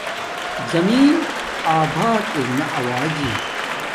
زمین آباد ارنا آواجی